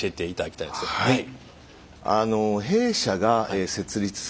はい。